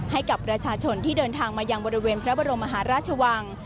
ให้กับประชาชนที่เดินทางมายังบริเวณพระบรมมหาราชวัง